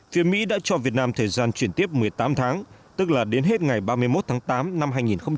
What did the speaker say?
phía mỹ đã cho việt nam thời gian chuyển tiếp một mươi tám tháng tức là đến hết ngày ba mươi một tháng tám năm hai nghìn hai mươi